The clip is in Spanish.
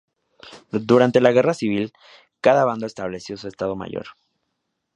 Durante la Guerra Civil, cada bando estableció su Estado Mayor.